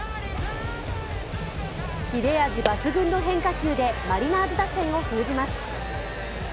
キレ味抜群の変化球でマリナーズ打線を封じます。